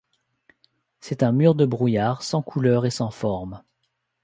C'est un mur de brouillard, sans couleur et sans forme.